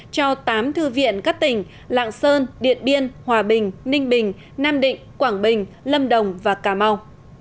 cho tám thư viện các tỉnh lạng sơn điện biên hòa bình ninh bình nam định quảng bình lâm đồng và cà mau